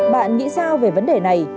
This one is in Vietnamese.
bạn nghĩ sao về vấn đề này